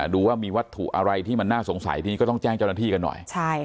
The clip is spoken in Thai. ดูว่ามีวัตถุอะไรที่มันน่าสงสัยทีนี้ก็ต้องแจ้งเจ้าหน้าที่กันหน่อย